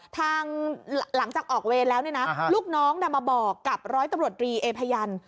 หลังจากออกเวรแล้วเนี่ยนะลูกน้องมาบอกกับร้อยตำรวจรีเอพยัน